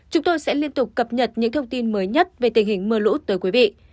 chúng tôi sẽ liên tục cập nhật những thông tin mới nhất về tình hình mưa lũ tới quý vị